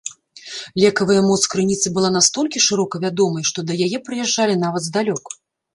Лекавая моц крыніцы была настолькі шырока вядомай, што да яе прыязджалі нават здалёк.